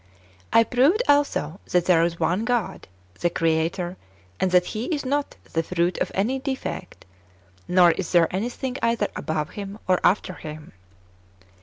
I proved also that there is one God, the Creator, and that He is not the fruit of any defect, nor is there anything either above Him, or after Him.